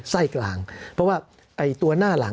สำหรับกำลังการผลิตหน้ากากอนามัย